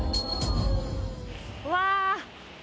うわ。